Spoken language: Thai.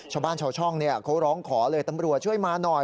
ชาวบ้านชาวช่องเขาร้องขอเลยตำรวจช่วยมาหน่อย